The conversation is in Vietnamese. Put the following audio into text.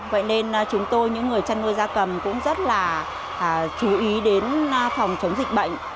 vậy nên chúng tôi những người chăn nuôi da cầm cũng rất là chú ý đến phòng chống dịch bệnh